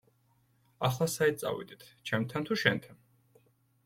ახლა საით წავიდეთ, ჩემთან თუ შენთან?